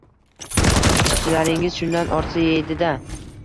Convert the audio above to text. Ishchilaringiz shundan ortsa yeydi-da